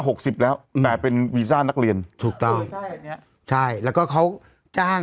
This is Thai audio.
สิบแล้วแต่เป็นวีซ่านักเรียนถูกต้องใช่เนี้ยใช่แล้วก็เขาจ้าง